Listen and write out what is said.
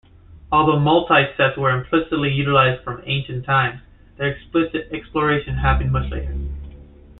Although multisets were implicitly utilized from ancient times, their explicit exploration happened much later.